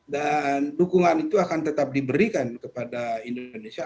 dan dukungan itu akan tetap diberikan kepada indonesia